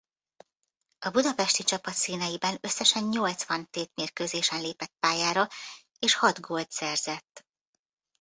A budapesti csapat színeiben összesen nyolcvan tétmérkőzésen lépett pályára és hat gólt szerzett.